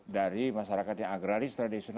dari masyarakat yang agraris tradisional